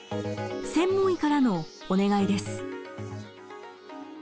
専門医からのお願いです。